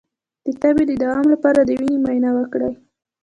د تبې د دوام لپاره د وینې معاینه وکړئ